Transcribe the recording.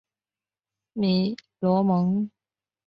米罗蒙。